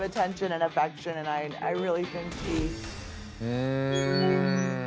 うん。